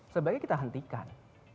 sebaiknya kita hentikan